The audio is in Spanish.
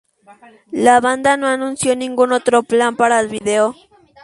La banda no anuncio ningún otro plan para el vídeo.